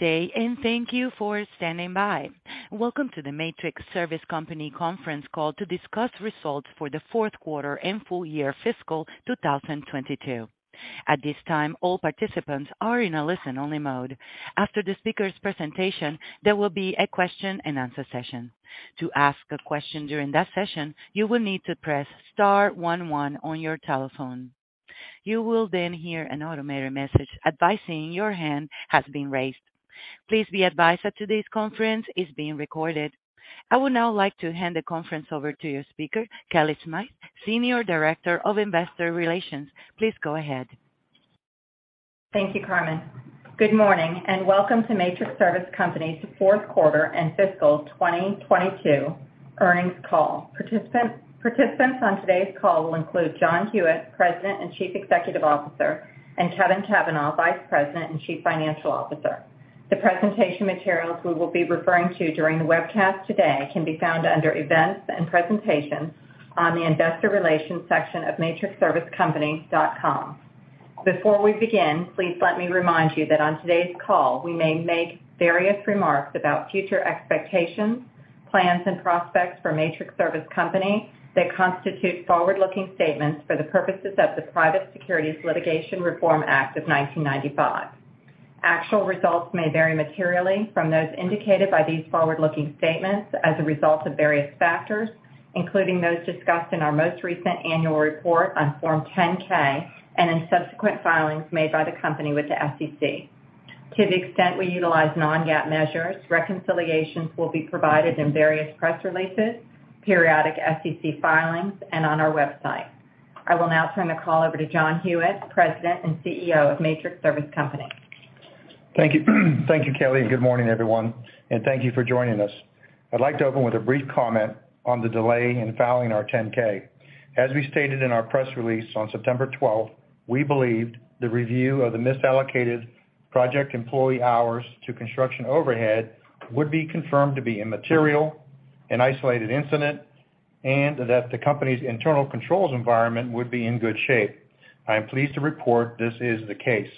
Good day, and thank you for standing by. Welcome to the Matrix Service Company conference call to discuss results for the Q4 and full year fiscal 2022. At this time, all participants are in a listen-only mode. After the speaker's presentation, there will be a question and answer session. To ask a question during that session, you will need to press star one one on your telephone. You will then hear an automated message advising your hand has been raised. Please be advised that today's conference is being recorded. I would now like to hand the conference over to your speaker, Kellie Smythe, Senior Director of Investor Relations. Please go ahead. Thank you, Carmen. Good morning, and welcome to Matrix Service Company's Q4 and fiscal 2022 earnings call. Participants on today's call will include John Hewitt, President and Chief Executive Officer, and Kevin Cavanah, Vice President and Chief Financial Officer. The presentation materials we will be referring to during the webcast today can be found under Events and Presentations on the Investor Relations section of matrixservicecompany.com. Before we begin, please let me remind you that on today's call, we may make various remarks about future expectations, plans, and prospects for Matrix Service Company that constitute forward-looking statements for the purposes of the Private Securities Litigation Reform Act of 1995. Actual results may vary materially from those indicated by these forward-looking statements as a result of various factors, including those discussed in our most recent annual report on Form 10-K and in subsequent filings made by the company with the SEC. To the extent we utilize non-GAAP measures, reconciliations will be provided in various press releases, periodic SEC filings, and on our website. I will now turn the call over to John Hewitt, President and CEO of Matrix Service Company. Thank you. Thank you, Kellie, and good morning, everyone, and thank you for joining us. I'd like to open with a brief comment on the delay in filing our 10-K. As we stated in our press release on September 12th, we believed the review of the misallocated project employee hours to construction overhead would be confirmed to be immaterial, an isolated incident, and that the company's internal controls environment would be in good shape. I am pleased to report this is the case.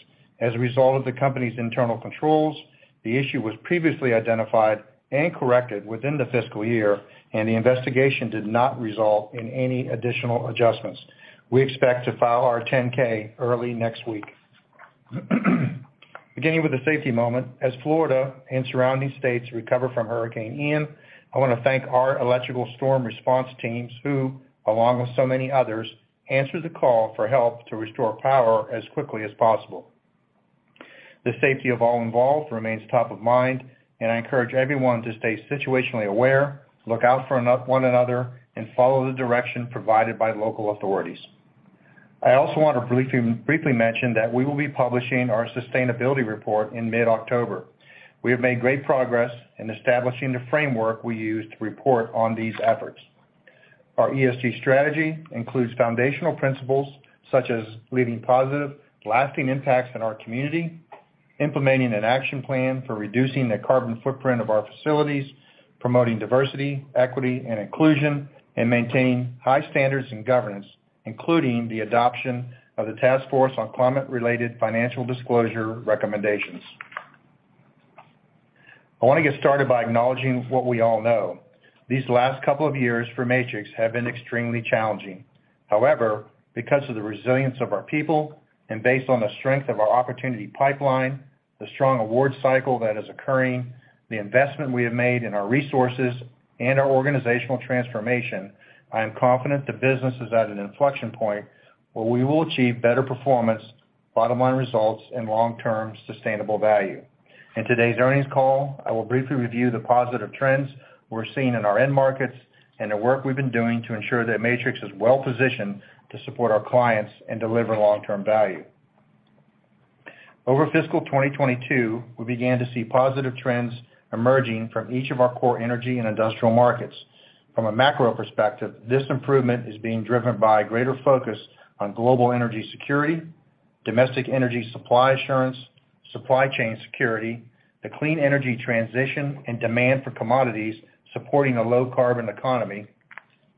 As a result of the company's internal controls, the issue was previously identified and corrected within the fiscal year, and the investigation did not result in any additional adjustments. We expect to file our 10-K early next week. Beginning with a safety moment, as Florida and surrounding states recover from Hurricane Ian, I wanna thank our electrical storm response teams who, along with so many others, answered the call for help to restore power as quickly as possible. The safety of all involved remains top of mind, and I encourage everyone to stay situationally aware, look out for one another, and follow the direction provided by local authorities. I also want to briefly mention that we will be publishing our sustainability report in mid-October. We have made great progress in establishing the framework we use to report on these efforts. Our ESG strategy includes foundational principles such as leaving positive, lasting impacts in our community, implementing an action plan for reducing the carbon footprint of our facilities, promoting diversity, equity, and inclusion, and maintain high standards in governance, including the adoption of the Task Force on Climate-related Financial Disclosures recommendations. I wanna get started by acknowledging what we all know. These last couple of years for Matrix have been extremely challenging. However, because of the resilience of our people and based on the strength of our opportunity pipeline, the strong award cycle that is occurring, the investment we have made in our resources and our organizational transformation, I am confident the business is at an inflection point where we will achieve better performance, bottom-line results, and long-term sustainable value. In today's earnings call, I will briefly review the positive trends we're seeing in our end markets and the work we've been doing to ensure that Matrix is well-positioned to support our clients and deliver long-term value. Over fiscal 2022, we began to see positive trends emerging from each of our core energy and industrial markets. From a macro perspective, this improvement is being driven by greater focus on global energy security, domestic energy supply assurance, supply chain security, the clean energy transition and demand for commodities supporting a low carbon economy,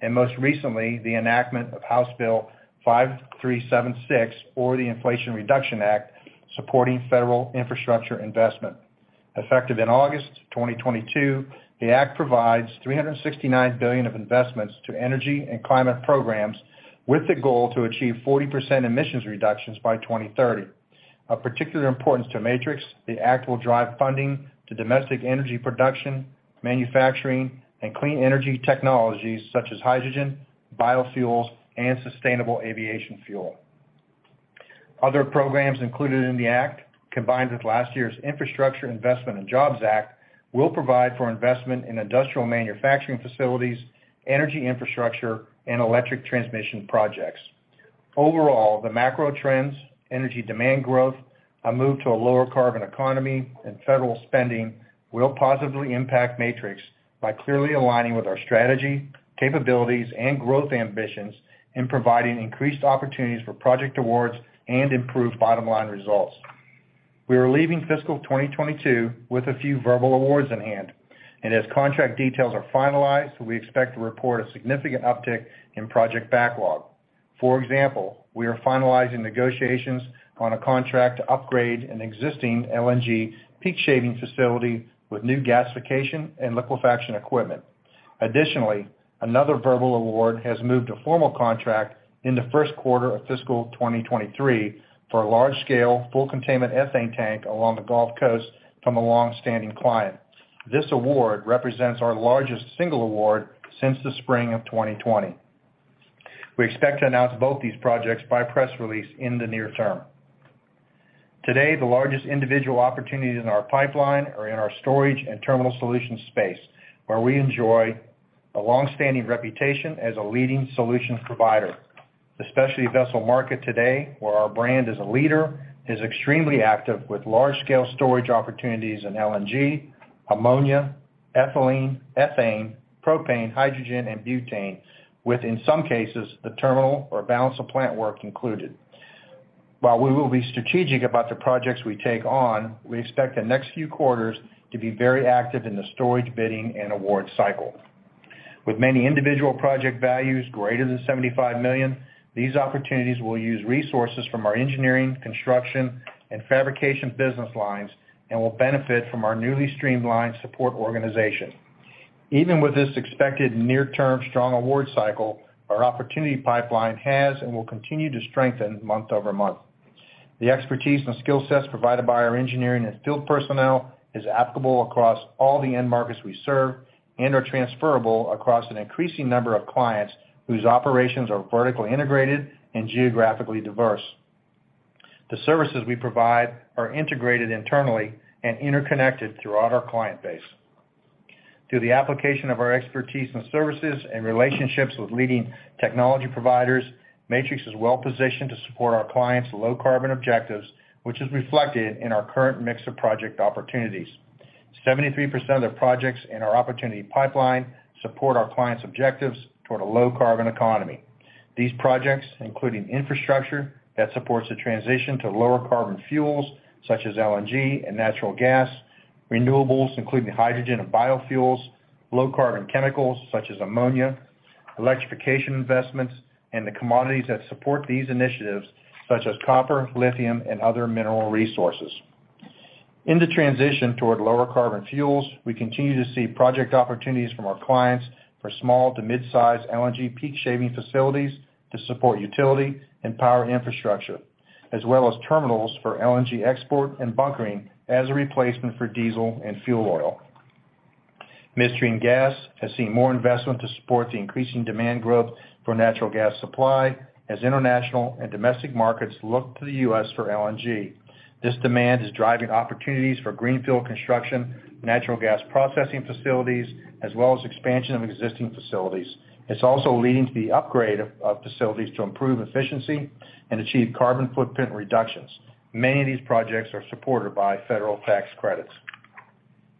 and most recently, the enactment of House Bill 5376 or the Inflation Reduction Act supporting federal infrastructure investment. Effective in August 2022, the act provides $369 billion of investments to energy and climate programs with the goal to achieve 40% emissions reductions by 2030. Of particular importance to Matrix, the act will drive funding to domestic energy production, manufacturing, and clean energy technologies such as hydrogen, biofuels, and sustainable aviation fuel. Other programs included in the act, combined with last year's Infrastructure Investment and Jobs Act, will provide for investment in industrial manufacturing facilities, energy infrastructure, and electric transmission projects. Overall, the macro trends, energy demand growth, a move to a lower carbon economy, and federal spending will positively impact Matrix by clearly aligning with our strategy, capabilities, and growth ambitions in providing increased opportunities for project awards and improved bottom-line results. We are leaving fiscal 2022 with a few verbal awards in hand, and as contract details are finalized, we expect to report a significant uptick in project backlog. For example, we are finalizing negotiations on a contract to upgrade an existing LNG peak shaving facility with new gasification and liquefaction equipment. Additionally, another verbal award has moved to a formal contract in the Q1 of fiscal 2023 for a large-scale, full containment ethane tank along the Gulf Coast from a long-standing client. This award represents our largest single award since the spring of 2020. We expect to announce both these projects by press release in the near term. Today, the largest individual opportunities in our pipeline are in our Storage and Terminal Solutions space, where we enjoy a long-standing reputation as a leading solutions provider. The specialty vessel market today, where our brand is a leader, is extremely active with large-scale storage opportunities in LNG, ammonia, ethylene, ethane, propane, hydrogen and butane, with, in some cases, the terminal or balance of plant work included. While we will be strategic about the projects we take on, we expect the next few quarters to be very active in the storage, bidding and award cycle. With many individual project values greater than $75 million, these opportunities will use resources from our engineering, construction and fabrication business lines and will benefit from our newly streamlined support organization. Even with this expected near-term strong award cycle, our opportunity pipeline has and will continue to strengthen month-over-month. The expertise and skill sets provided by our engineering and field personnel is applicable across all the end markets we serve and are transferable across an increasing number of clients whose operations are vertically integrated and geographically diverse. The services we provide are integrated internally and interconnected throughout our client base. Through the application of our expertise and services and relationships with leading technology providers, Matrix is well positioned to support our clients' low carbon objectives, which is reflected in our current mix of project opportunities. 73% of the projects in our opportunity pipeline support our clients' objectives toward a low carbon economy. These projects, including infrastructure that supports the transition to lower carbon fuels, such as LNG and natural gas, renewables, including hydrogen and biofuels, low carbon chemicals such as ammonia, electrification investments, and the commodities that support these initiatives, such as copper, lithium, and other mineral resources. In the transition toward lower carbon fuels, we continue to see project opportunities from our clients for small to mid-size LNG peak shaving facilities to support utility and power infrastructure, as well as terminals for LNG export and bunkering as a replacement for diesel and fuel oil. Midstream gas has seen more investment to support the increasing demand growth for natural gas supply as international and domestic markets look to the U.S. for LNG. This demand is driving opportunities for greenfield construction, natural gas processing facilities, as well as expansion of existing facilities. It's also leading to the upgrade of facilities to improve efficiency and achieve carbon footprint reductions. Many of these projects are supported by federal tax credits.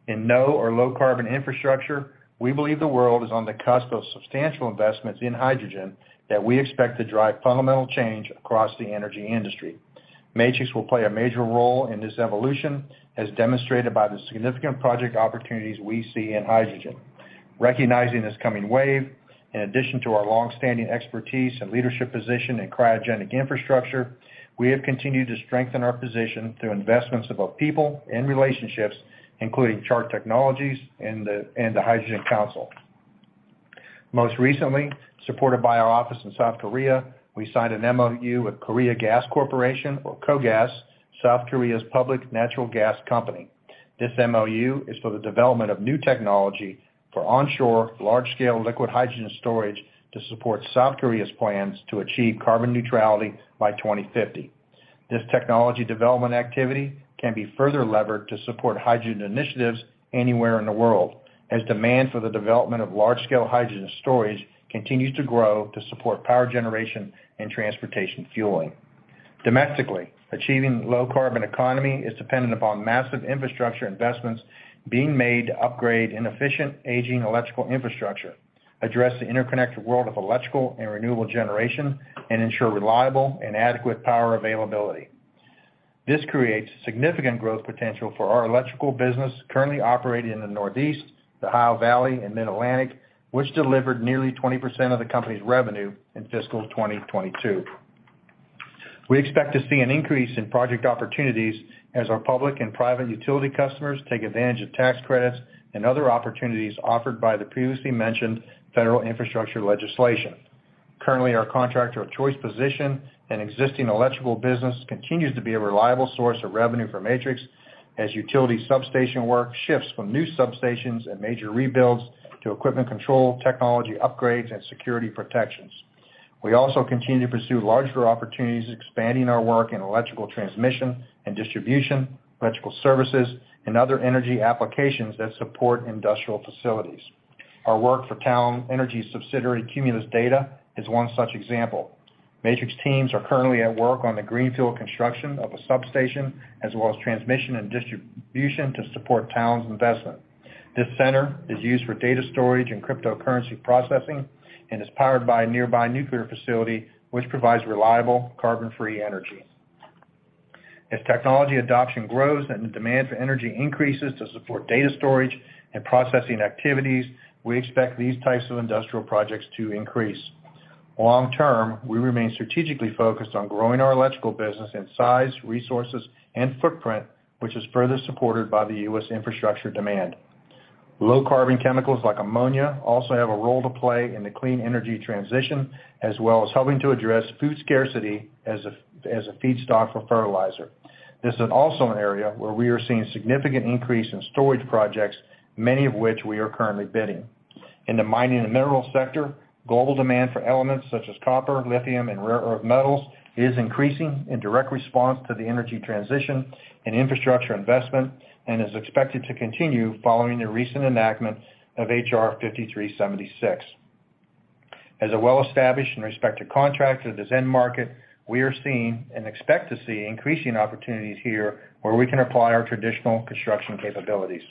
In no or low carbon infrastructure, we believe the world is on the cusp of substantial investments in hydrogen that we expect to drive fundamental change across the energy industry. Matrix will play a major role in this evolution, as demonstrated by the significant project opportunities we see in hydrogen. Recognizing this coming wave, in addition to our long-standing expertise and leadership position in cryogenic infrastructure, we have continued to strengthen our position through investments of both people and relationships, including Chart Industries and the Hydrogen Council. Most recently, supported by our office in South Korea, we signed an MOU with Korea Gas Corporation or KOGAS, South Korea's public natural gas company. This MOU is for the development of new technology for onshore large-scale liquid hydrogen storage to support South Korea's plans to achieve carbon neutrality by 2050. This technology development activity can be further levered to support hydrogen initiatives anywhere in the world as demand for the development of large-scale hydrogen storage continues to grow to support power generation and transportation fueling. Domestically, achieving low-carbon economy is dependent upon massive infrastructure investments being made to upgrade inefficient aging electrical infrastructure, address the interconnected world of electrical and renewable generation, and ensure reliable and adequate power availability. This creates significant growth potential for our electrical business currently operating in the Northeast, the Ohio Valley and Mid-Atlantic, which delivered nearly 20% of the company's revenue in fiscal 2022. We expect to see an increase in project opportunities as our public and private utility customers take advantage of tax credits and other opportunities offered by the previously mentioned federal infrastructure legislation. Currently, our contractor of choice position and existing electrical business continues to be a reliable source of revenue for Matrix as utility substation work shifts from new substations and major rebuilds to equipment control, technology upgrades and security protections. We also continue to pursue larger opportunities, expanding our work in electrical transmission and distribution, electrical services, and other energy applications that support industrial facilities. Our work for Talen Energy subsidiary, Cumulus Data, is one such example. Matrix teams are currently at work on the greenfield construction of a substation as well as transmission and distribution to support Talen's investment. This center is used for data storage and cryptocurrency processing and is powered by a nearby nuclear facility, which provides reliable carbon-free energy. As technology adoption grows and the demand for energy increases to support data storage and processing activities, we expect these types of industrial projects to increase. Long term, we remain strategically focused on growing our electrical business in size, resources, and footprint, which is further supported by the U.S. infrastructure demand. Low carbon chemicals like ammonia also have a role to play in the clean energy transition, as well as helping to address food scarcity as a feedstock for fertilizer. This is also an area where we are seeing significant increase in storage projects, many of which we are currently bidding. In the mining and mineral sector, global demand for elements such as copper, lithium and rare earth metals is increasing in direct response to the energy transition and infrastructure investment and is expected to continue following the recent enactment of H.R. 5376. As a well-established and respected contractor to this end market, we are seeing and expect to see increasing opportunities here where we can apply our traditional construction capabilities.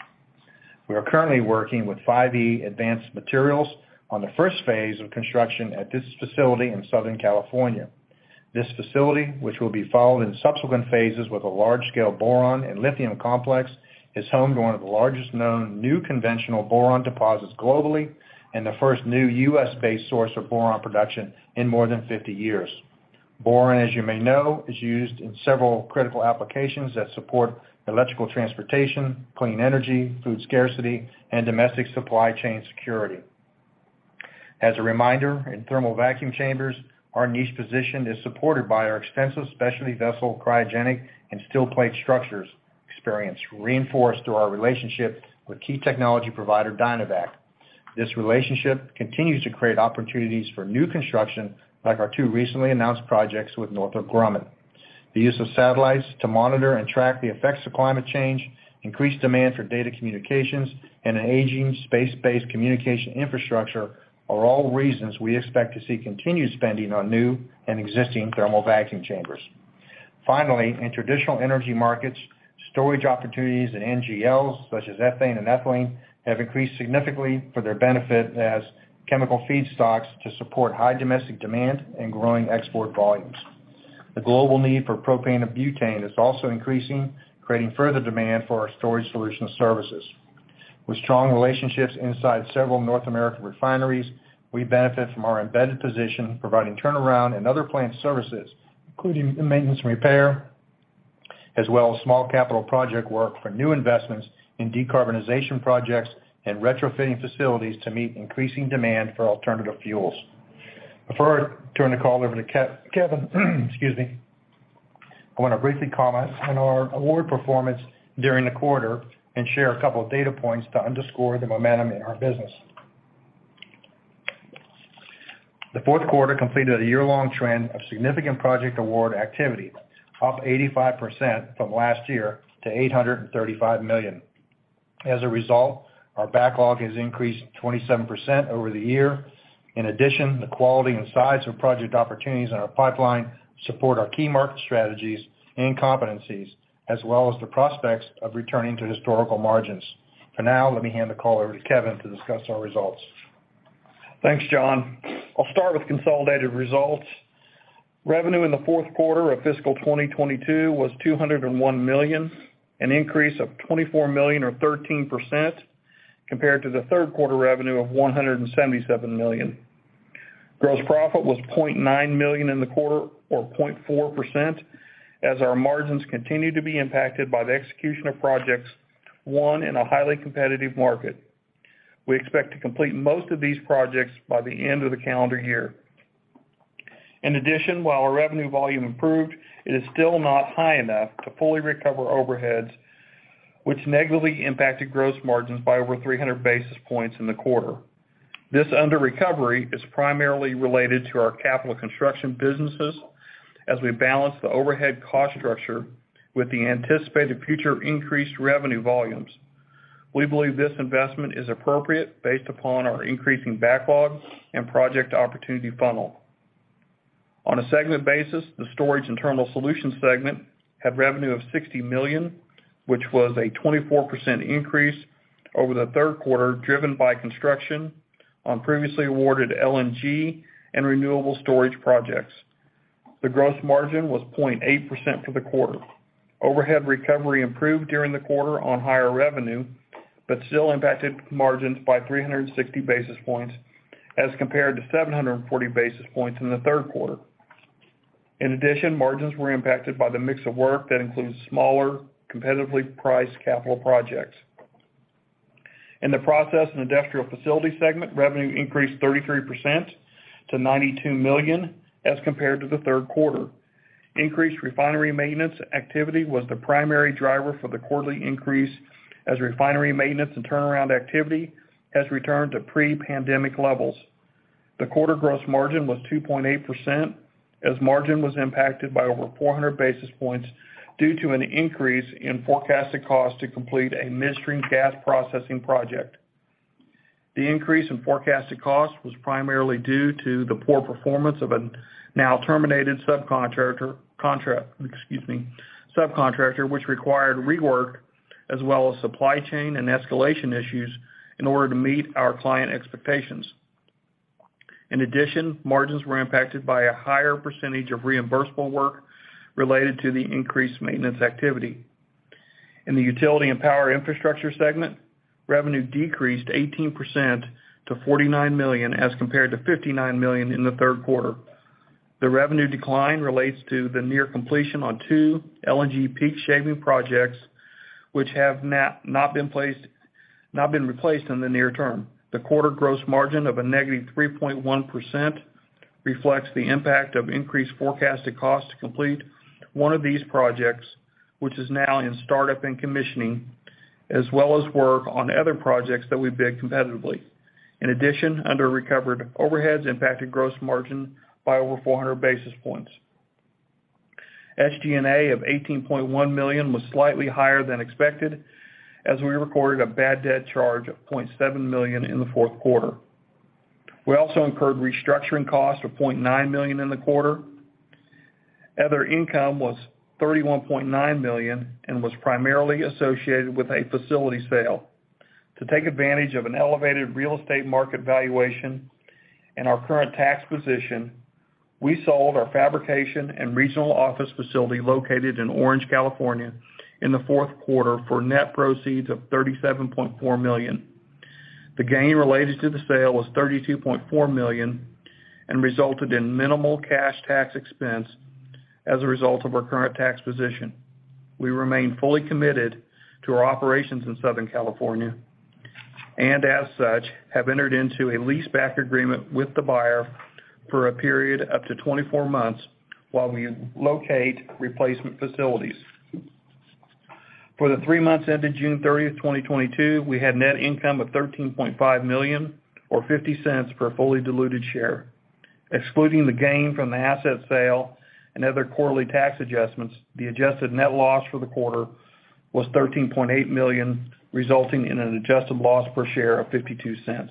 We are currently working with 5E Advanced Materials on the first phase of construction at this facility in Southern California. This facility, which will be followed in subsequent phases with a large-scale boron and lithium complex, is home to one of the largest known new conventional boron deposits globally and the first new U.S.-based source of boron production in more than 50 years. Boron, as you may know, is used in several critical applications that support electric transportation, clean energy, food scarcity and domestic supply chain security. As a reminder, in thermal vacuum chambers, our niche position is supported by our extensive specialty vessel, cryogenic and steel plate structures experience reinforced through our relationship with key technology provider Dynavac. This relationship continues to create opportunities for new construction like our two recently announced projects with Northrop Grumman. The use of satellites to monitor and track the effects of climate change, increased demand for data communications, and an aging space-based communication infrastructure are all reasons we expect to see continued spending on new and existing thermal vacuum chambers. Finally, in traditional energy markets, storage opportunities in NGLs such as ethane and ethylene have increased significantly for their benefit as chemical feedstocks to support high domestic demand and growing export volumes. The global need for propane and butane is also increasing, creating further demand for our storage solution services. With strong relationships inside several North American refineries, we benefit from our embedded position, providing turnaround and other plant services, including maintenance and repair, as well as small capital project work for new investments in decarbonization projects and retrofitting facilities to meet increasing demand for alternative fuels. Before I turn the call over to Kevin, excuse me, I want to briefly comment on our award performance during the quarter and share a couple of data points to underscore the momentum in our business. The Q4 completed a year-long trend of significant project award activity, up 85% from last year to $835 million. As a result, our backlog has increased 27% over the year. In addition, the quality and size of project opportunities in our pipeline support our key market strategies and competencies, as well as the prospects of returning to historical margins. For now, let me hand the call over to Kevin to discuss our results. Thanks, John. I'll start with consolidated results. Revenue in the Q4 of fiscal 2022 was $201 million, an increase of $24 million or 13% compared to the Q3 revenue of $177 million. Gross profit was $0.9 million in the quarter or 0.4% as our margins continued to be impacted by the execution of projects won in a highly competitive market. We expect to complete most of these projects by the end of the calendar year. In addition, while our revenue volume improved, it is still not high enough to fully recover overheads, which negatively impacted gross margins by over 300 basis points in the quarter. This underrecovery is primarily related to our capital construction businesses as we balance the overhead cost structure with the anticipated future increased revenue volumes. We believe this investment is appropriate based upon our increasing backlogs and project opportunity funnel. On a segment basis, the Storage and Terminal Solutions segment had revenue of $60 million, which was a 24% increase over the Q3, driven by construction on previously awarded LNG and renewable storage projects. The gross margin was 0.8% for the quarter. Overhead recovery improved during the quarter on higher revenue, but still impacted margins by 360 basis points as compared to 740 basis points in the Q3. In addition, margins were impacted by the mix of work that includes smaller, competitively priced capital projects. In the Process and Industrial Facilities segment, revenue increased 33% to $92 million as compared to the Q3. Increased refinery maintenance activity was the primary driver for the quarterly increase as refinery maintenance and turnaround activity has returned to pre-pandemic levels. The quarter gross margin was 2.8% as margin was impacted by over 400 basis points due to an increase in forecasted cost to complete a midstream gas processing project. The increase in forecasted cost was primarily due to the poor performance of a now terminated subcontractor, which required rework as well as supply chain and escalation issues in order to meet our client expectations. In addition, margins were impacted by a higher percentage of reimbursable work related to the increased maintenance activity. In the Utility and Power Infrastructure segment, revenue decreased 18% to $49 million as compared to $59 million in the Q3. The revenue decline relates to the near completion on two LNG peak shaving projects, which have not been replaced in the near term. The quarter gross margin of -3.1% reflects the impact of increased forecasted cost to complete one of these projects, which is now in startup and commissioning, as well as work on other projects that we bid competitively. In addition, under-recovered overheads impacted gross margin by over 400 basis points. SG&A of $18.1 million was slightly higher than expected as we recorded a bad debt charge of $0.7 million in the Q4. We also incurred restructuring costs of $0.9 million in the quarter. Other income was $31.9 million and was primarily associated with a facility sale. To take advantage of an elevated real estate market valuation and our current tax position, we sold our fabrication and regional office facility located in Orange, California, in the Q4 for net proceeds of $37.4 million. The gain related to the sale was $32.4 million and resulted in minimal cash tax expense as a result of our current tax position. We remain fully committed to our operations in Southern California, and as such, have entered into a leaseback agreement with the buyer for a period up to 24 months while we locate replacement facilities. For the three months ending June 30th, 2022, we had net income of $13.5 million or $0.50 per fully diluted share. Excluding the gain from the asset sale and other quarterly tax adjustments, the adjusted net loss for the quarter was $13.8 million, resulting in an adjusted loss per share of $0.52.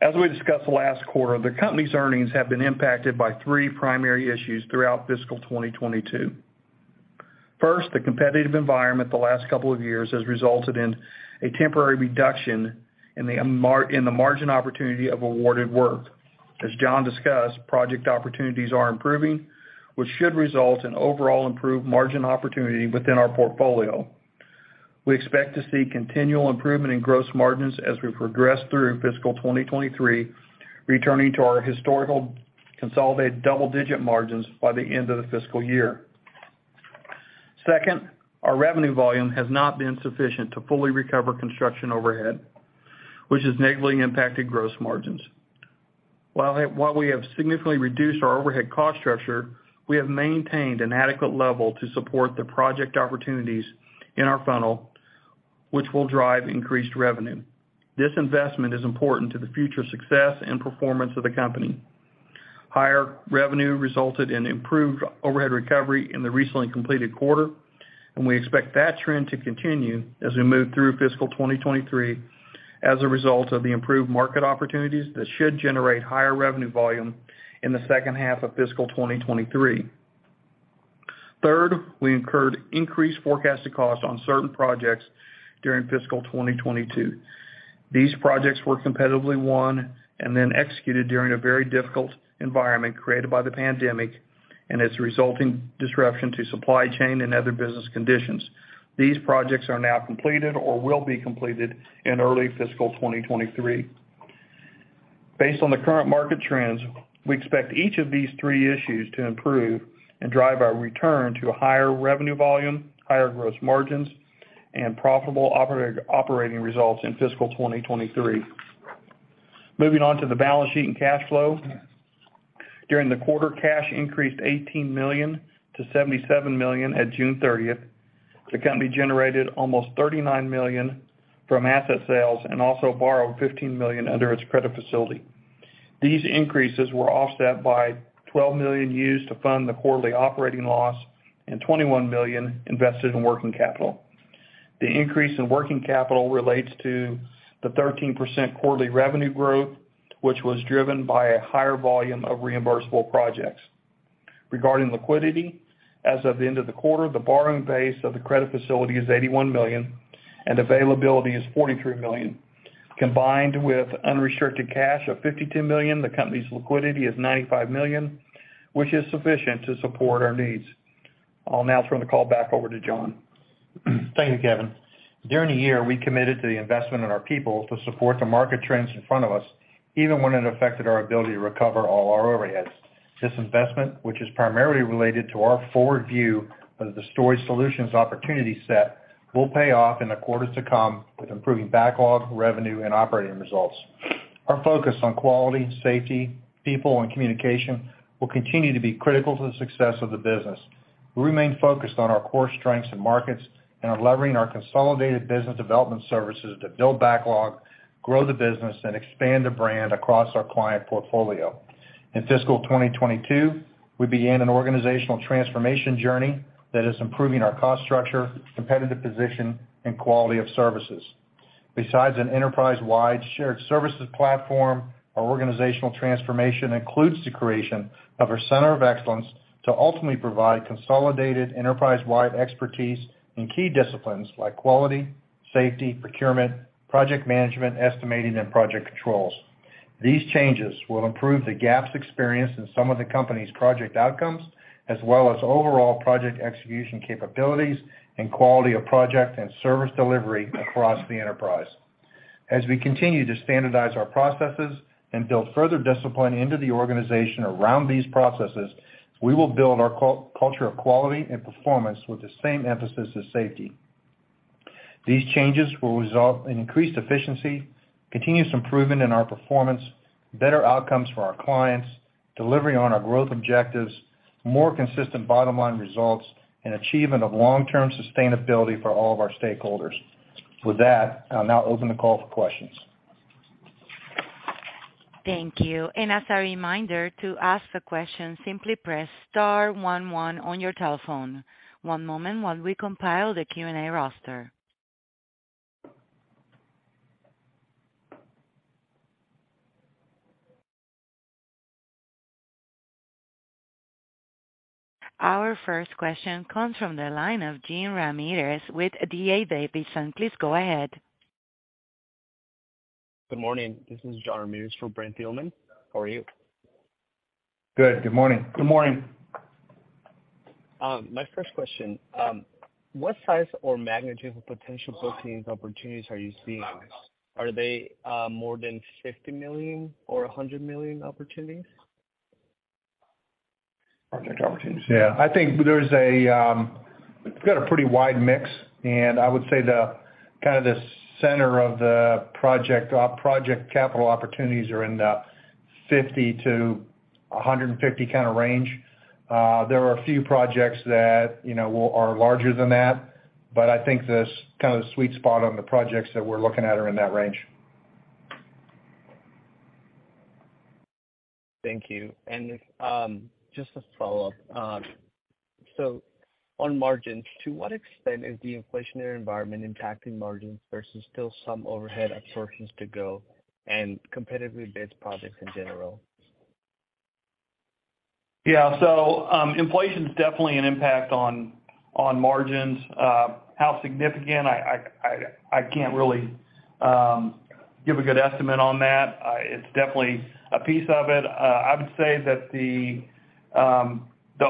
As we discussed last quarter, the company's earnings have been impacted by three primary issues throughout fiscal 2022. First, the competitive environment the last couple of years has resulted in a temporary reduction in the margin opportunity of awarded work. As John discussed, project opportunities are improving, which should result in overall improved margin opportunity within our portfolio. We expect to see continual improvement in gross margins as we progress through fiscal 2023, returning to our historical consolidated double-digit margins by the end of the fiscal year. Second, our revenue volume has not been sufficient to fully recover construction overhead, which has negatively impacted gross margins. While we have significantly reduced our overhead cost structure, we have maintained an adequate level to support the project opportunities in our funnel, which will drive increased revenue. This investment is important to the future success and performance of the company. Higher revenue resulted in improved overhead recovery in the recently completed quarter, and we expect that trend to continue as we move through fiscal 2023 as a result of the improved market opportunities that should generate higher revenue volume in the second half of fiscal 2023. Third, we incurred increased forecasted cost on certain projects during fiscal 2022. These projects were competitively won and then executed during a very difficult environment created by the pandemic and its resulting disruption to supply chain and other business conditions. These projects are now completed or will be completed in early fiscal 2023. Based on the current market trends, we expect each of these three issues to improve and drive our return to a higher revenue volume, higher gross margins, and profitable operating results in fiscal 2023. Moving on to the balance sheet and cash flow. During the quarter, cash increased $18 million to $77 million at June 30th. The company generated almost $39 million from asset sales and also borrowed $15 million under its credit facility. These increases were offset by $12 million used to fund the quarterly operating loss and $21 million invested in working capital. The increase in working capital relates to the 13% quarterly revenue growth, which was driven by a higher volume of reimbursable projects. Regarding liquidity, as of the end of the quarter, the borrowing base of the credit facility is $81 million, and availability is $43 million. Combined with unrestricted cash of $52 million, the company's liquidity is $95 million, which is sufficient to support our needs. I'll now turn the call back over to John. Thank you, Kevin. During the year, we committed to the investment in our people to support the market trends in front of us, even when it affected our ability to recover all our overheads. This investment, which is primarily related to our forward view of the storage solutions opportunity set, will pay off in the quarters to come with improving backlog, revenue, and operating results. Our focus on quality, safety, people, and communication will continue to be critical to the success of the business. We remain focused on our core strengths and markets and are levering our consolidated business development services to build backlog, grow the business, and expand the brand across our client portfolio. In fiscal 2022, we began an organizational transformation journey that is improving our cost structure, competitive position, and quality of services. Besides an enterprise-wide shared services platform, our organizational transformation includes the creation of a center of excellence to ultimately provide consolidated enterprise-wide expertise in key disciplines like quality, safety, procurement, project management, estimating, and project controls. These changes will improve the gaps experienced in some of the company's project outcomes, as well as overall project execution capabilities and quality of project and service delivery across the enterprise. As we continue to standardize our processes and build further discipline into the organization around these processes, we will build our culture of quality and performance with the same emphasis as safety. These changes will result in increased efficiency, continuous improvement in our performance, better outcomes for our clients, delivery on our growth objectives, more consistent bottom-line results, and achievement of long-term sustainability for all of our stakeholders. With that, I'll now open the call for questions. Thank you. As a reminder to ask a question, simply press star one one on your telephone. One moment while we compile the Q&A roster. Our first question comes from the line of Brent Thielman with D.A. Davidson. Please go ahead. Good morning. This is Brent Thielman from D.A. Davidson. How are you? Good. Good morning. Good morning. My first question, what size or magnitude of potential booking opportunities are you seeing? Are they more than $50 million or $100 million opportunities? Project opportunities? Yeah. I think there's a. We've got a pretty wide mix, and I would say the, kind of, the center of the project capital opportunities are in the 50-150 kind of range. There are a few projects that, you know, are larger than that, but I think this kind of sweet spot on the projects that we're looking at are in that range. Thank you. Just a follow-up. On margins, to what extent is the inflationary environment impacting margins versus still some overhead absorptions to go and competitively bid projects in general? Yeah. Inflation is definitely an impact on margins. How significant? I can't really give a good estimate on that. It's definitely a piece of it. I would say that the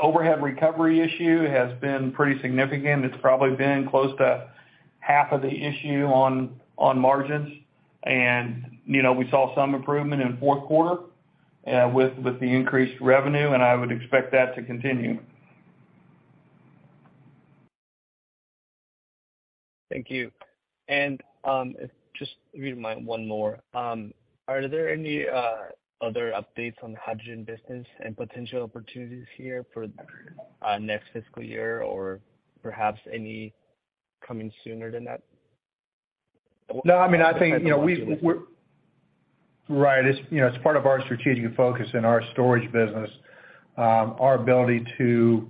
overhead recovery issue has been pretty significant. It's probably been close to half of the issue on margins. You know, we saw some improvement in Q4 with the increased revenue, and I would expect that to continue. Thank you. Are there any other updates on the hydrogen business and potential opportunities here for next fiscal year or perhaps any coming sooner than that? No, I mean, I think, you know, we're right. It's, you know, it's part of our strategic focus in our storage business. Our ability to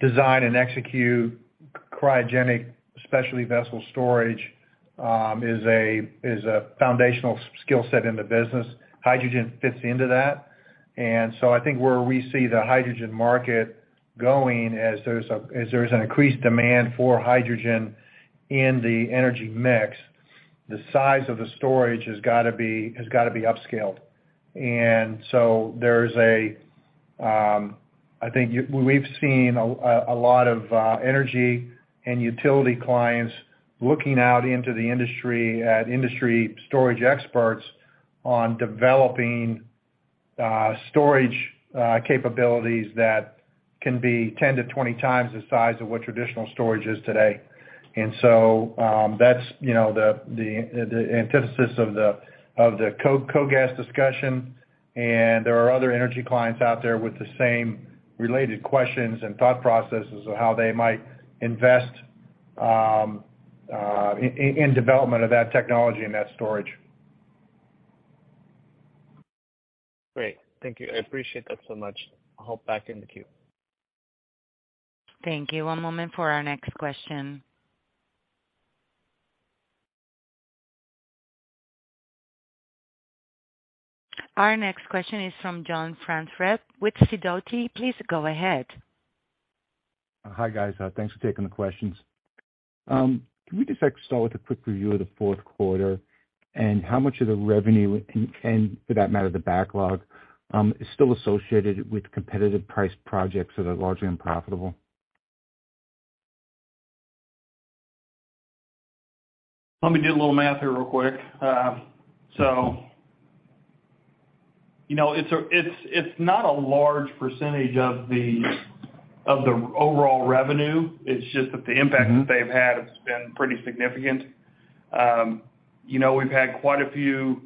design and execute cryogenic specialty vessel storage is a foundational skill set in the business. Hydrogen fits into that. I think where we see the hydrogen market going as there's an increased demand for hydrogen in the energy mix, the size of the storage has gotta be upscaled. I think we've seen a lot of energy and utility clients looking out into the industry at industry storage experts on developing storage capabilities that can be 10-20 times the size of what traditional storage is today. That's, you know, the antithesis of the KOGAS discussion. There are other energy clients out there with the same related questions and thought processes of how they might invest in development of that technology and that storage. Great. Thank you. I appreciate that so much. I'll hop back in the queue. Thank you. One moment for our next question. Our next question is from John Franzreb with Sidoti & Company. Please go ahead. Hi, guys. Thanks for taking the questions. Can we just start with a quick review of the Q4 and how much of the revenue, and for that matter, the backlog, is still associated with competitively priced projects that are largely unprofitable? Let me do a little math here real quick. You know, it's not a large percentage of the overall revenue. It's just that the impact that they've had has been pretty significant. You know, we've had quite a few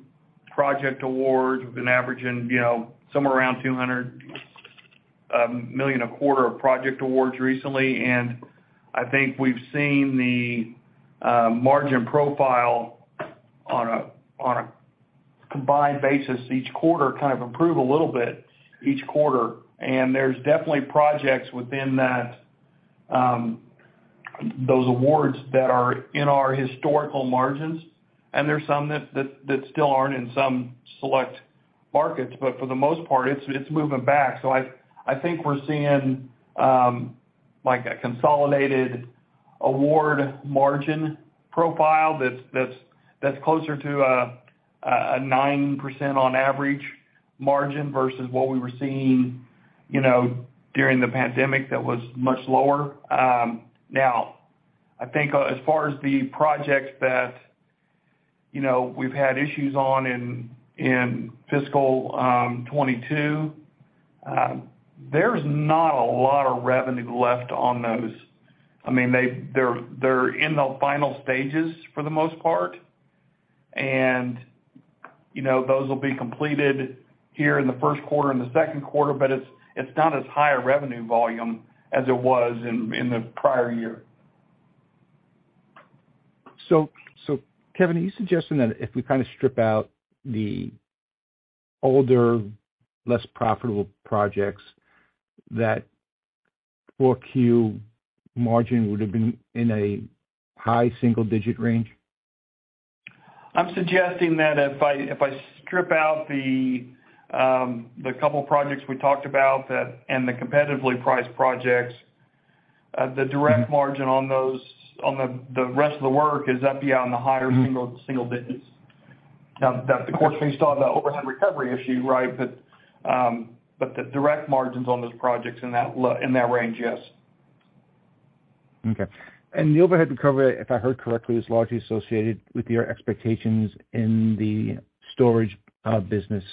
project awards. We've been averaging, you know, somewhere around $200 million a quarter of project awards recently. I think we've seen the margin profile on a combined basis each quarter kind of improve a little bit each quarter. There's definitely projects within that, those awards that are in our historical margins, and there's some that still aren't in some select markets. But for the most part, it's moving back. I think we're seeing. Like a consolidated award margin profile that's closer to a 9% on average margin versus what we were seeing, you know, during the pandemic that was much lower. Now I think as far as the projects that, you know, we've had issues on in fiscal 2022, there's not a lot of revenue left on those. I mean, they're in the final stages for the most part. You know, those will be completed here in the Q1 and the Q2, but it's not as high a revenue volume as it was in the prior year. Kevin, are you suggesting that if we kind of strip out the older, less profitable projects, that Q4 margin would have been in a high single-digit range? I'm suggesting that if I strip out the couple projects we talked about, and the competitively priced projects, the direct margin on those, on the rest of the work is to be in the higher single digits. Now that's of course based on the overhead recovery issue, right? The direct margins on those projects in that range, yes. Okay. The overhead recovery, if I heard correctly, is largely associated with your expectations in the storage business.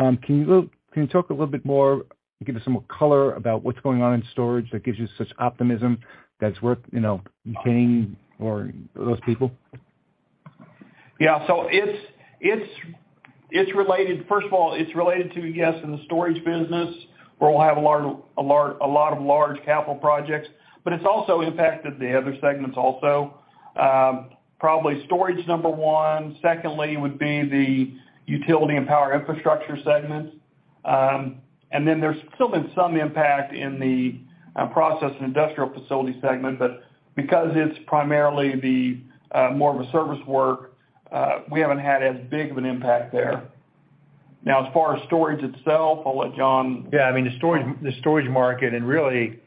Can you talk a little bit more, give us some more color about what's going on in storage that gives you such optimism that's worth, you know, paying for those people? It's related. First of all, it's related to, yes, in the storage business, where we'll have a lot of large capital projects, but it's also impacted the other segments also. Probably storage, number one. Secondly would be the Utility and Power Infrastructure segments. And then there's still been some impact in the Process and Industrial Facilities segment, but because it's primarily the more of a service work, we haven't had as big of an impact there. Now as far as storage itself, I'll let John Yeah. I mean, the storage market and really,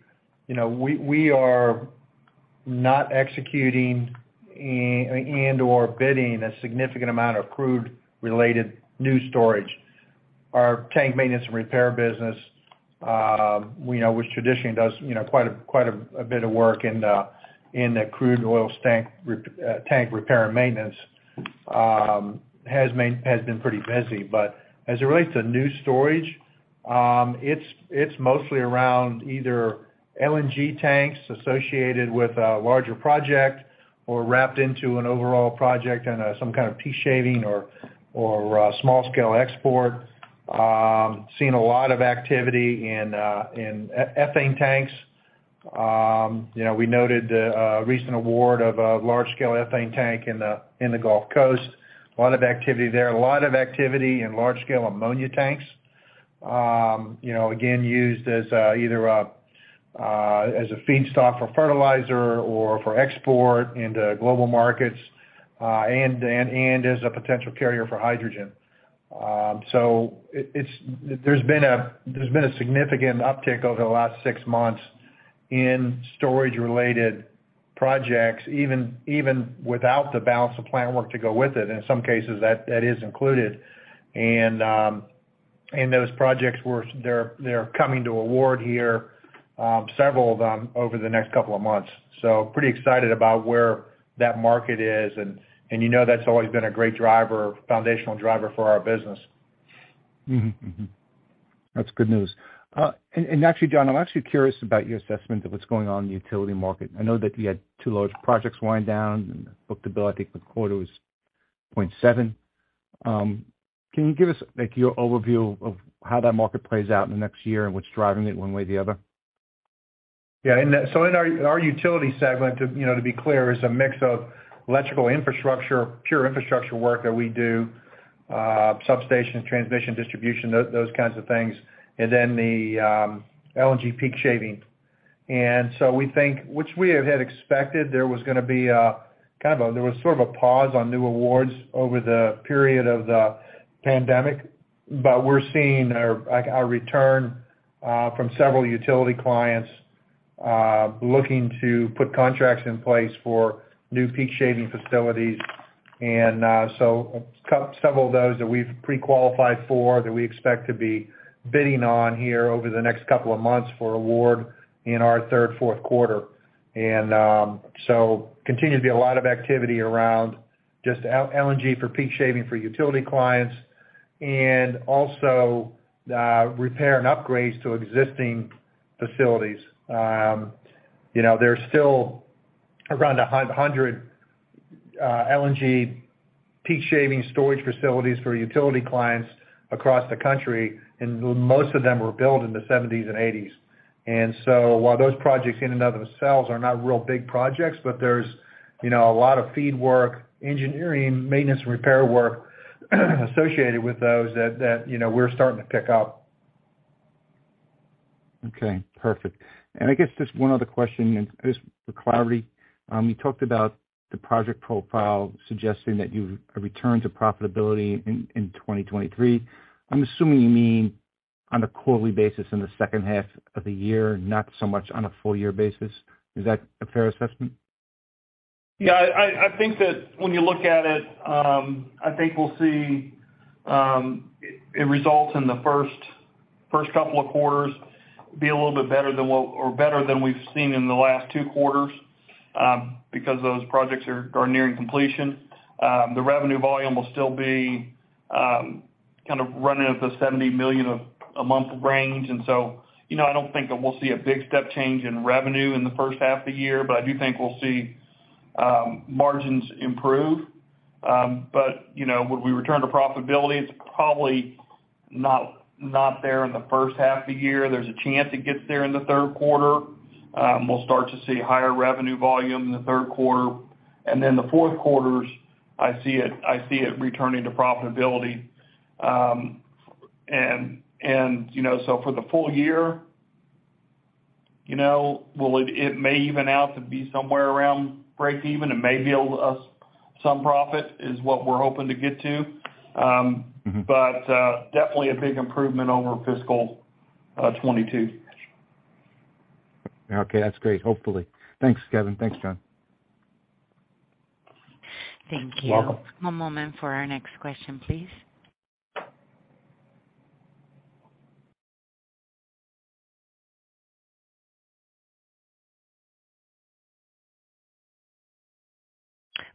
you know, we are not executing and/or bidding a significant amount of crude related new storage. Our tank maintenance and repair business, we know which traditionally does, you know, quite a bit of work in the crude oil tank repair and maintenance, has been pretty busy. As it relates to new storage, it's mostly around either LNG tanks associated with a larger project or wrapped into an overall project and some kind of peak shaving or small scale export. Seeing a lot of activity in ethane tanks. You know, we noted the recent award of a large scale ethane tank in the Gulf Coast. A lot of activity there in large-scale ammonia tanks. You know, again, used as either a feedstock for fertilizer or for export into global markets, and as a potential carrier for hydrogen. There's been a significant uptick over the last six months in storage-related projects, even without the balance of plant work to go with it. In some cases that is included. Those projects they're coming to award here, several of them over the next couple of months. Pretty excited about where that market is and you know, that's always been a great driver, foundational driver for our business. That's good news. Actually, John, I'm actually curious about your assessment of what's going on in the utility market. I know that you had two large projects wind down, and book-to-bill, I think the quarter was 0.7. Can you give us like your overview of how that market plays out in the next year and what's driving it one way or the other? Yeah. In our utility segment, you know, to be clear, is a mix of electrical infrastructure, pure infrastructure work that we do, substation, transmission, distribution, those kinds of things. The LNG peak shaving. We think, which we have had expected, there was sort of a pause on new awards over the period of the pandemic. We're seeing our, like our return from several utility clients looking to put contracts in place for new peak shaving facilities. Several of those that we've pre-qualified for that we expect to be bidding on here over the next couple of months for award in our third, Q4. Continue to be a lot of activity around just LNG for peak shaving for utility clients and also repair and upgrades to existing facilities. You know, there's still around 100 LNG peak shaving storage facilities for utility clients across the country, and most of them were built in the 1970s and 1980s. While those projects in and of themselves are not real big projects, but there's you know, a lot of feed work, engineering, maintenance and repair work associated with those that you know, we're starting to pick up. Okay. Perfect. I guess just one other question and just for clarity. You talked about the project profile suggesting that you've returned to profitability in 2023. I'm assuming you mean on a quarterly basis in the second half of the year, not so much on a full year basis. Is that a fair assessment? Yeah, I think that when you look at it, I think we'll see it results in the first couple of quarters be a little bit better than what or better than we've seen in the last two quarters, because those projects are nearing completion. The revenue volume will still be kind of running at the $70 million a month range. You know, I don't think that we'll see a big step change in revenue in the first half of the year, but I do think we'll see margins improve. You know, when we return to profitability, it's probably not there in the first half of the year. There's a chance it gets there in the Q3. We'll start to see higher revenue volume in the Q3. The Q4, I see it returning to profitability. You know, for the full year, you know, it may even out to be somewhere around breakeven and maybe owe us some profit is what we're hoping to get to. Mm-hmm. Definitely a big improvement over fiscal 2022. Okay, that's great. Hopefully. Thanks, Kevin. Thanks, John. Thank you. Welcome. One moment for our next question, please.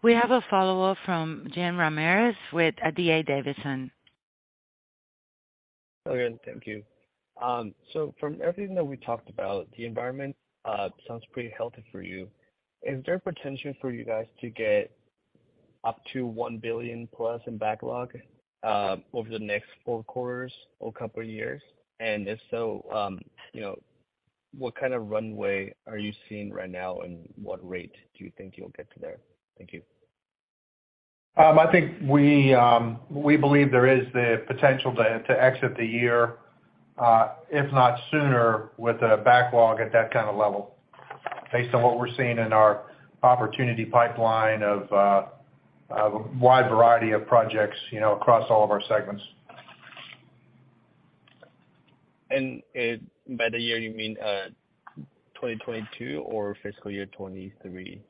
We have a follow-up from Brent Thielman with D.A. Davidson. Oh, good. Thank you. From everything that we talked about, the environment sounds pretty healthy for you. Is there potential for you guys to get up to $1 billion+ in backlog over the next four quarters or couple of years? If so, you know, what kind of runway are you seeing right now, and what rate do you think you'll get to there? Thank you. I think we believe there is the potential to exit the year, if not sooner, with a backlog at that kind of level based on what we're seeing in our opportunity pipeline of a wide variety of projects, you know, across all of our segments. By the year, you mean 2022 or fiscal year 2023?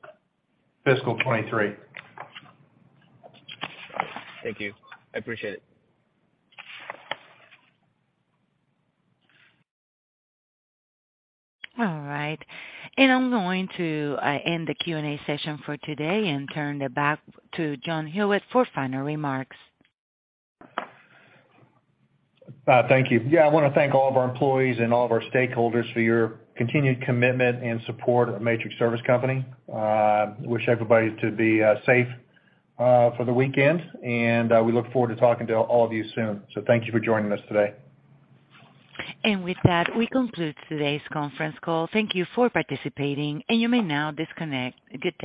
Fiscal 2023. Thank you. I appreciate it. All right. I'm going to end the Q&A session for today and turn it back to John Hewitt for final remarks. Thank you. Yeah, I wanna thank all of our employees and all of our stakeholders for your continued commitment and support of Matrix Service Company. I wish everybody to be safe for the weekend, and we look forward to talking to all of you soon. Thank you for joining us today. With that, we conclude today's conference call. Thank you for participating, and you may now disconnect. Good day.